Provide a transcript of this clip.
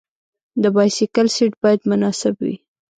د بایسکل سیټ باید مناسب وي.